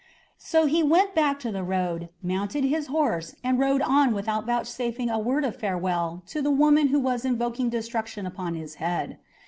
So he went back to the road, mounted his horse, and rode on without vouchsafing a word of farewell to the woman who was invoking destruction upon his head.